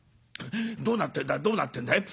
どうなってんだどうなってんだい。